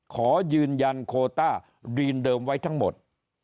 ขอยืนยันโคต้ารีนเดิมไว้ทั้งหมด